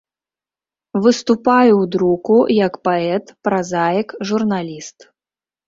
Выступае ў друку як паэт, празаік, журналіст.